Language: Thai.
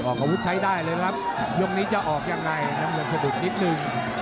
ออกอาวุธใช้ได้เลยครับยกนี้จะออกยังไงน้ำเงินสะดุดนิดนึง